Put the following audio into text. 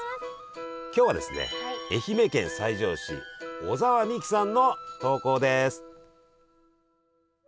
今日はですね愛媛県西条市小澤未樹さんの投稿です。